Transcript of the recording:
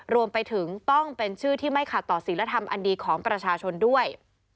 รวมไปถึงต้องเป็นชื่อที่ไม่ขัดต่อศิลธรรมอันดีของประชาชนด้วย